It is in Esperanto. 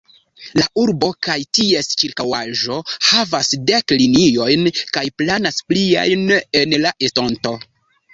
La urbo kaj ties ĉirkaŭaĵo havas dek liniojn kaj planas pliajn en la estonto.